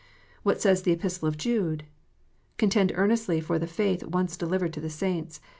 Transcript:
What says the Epistle of Jude ?" Contend earnestly for the faith once delivered to the saints.